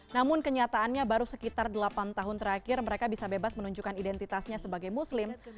namun kenyataannya baru sekitar delapan tahun terakhir mereka bisa bebas menunjukkan identitasnya sebagai muslim